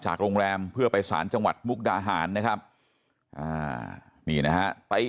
โรงแรมเพื่อไปสารจังหวัดมุกดาหารนะครับอ่านี่นะฮะไป